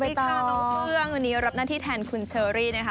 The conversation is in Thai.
ค่ะน้องเครื่องวันนี้รับหน้าที่แทนคุณเชอรี่นะคะ